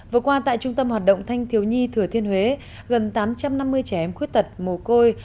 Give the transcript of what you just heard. vừa qua tại trung tâm hoạt động thanh thiếu nhi thừa thiên huế gần tám trăm năm mươi trẻ em khuyết tật mồ côi